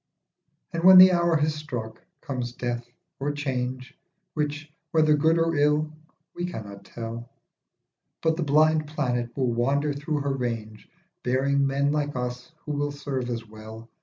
And when the hour has struck, comes death or change, Which, whether good or ill we cannot tell, But the blind planet will wander through her range Bearing men like us who will serve as well.